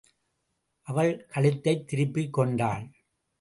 அவள் கழுத்தைத் திருப்பிக் கொண்டாள்.